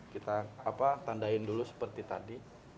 kita tandain dulu seperti tadi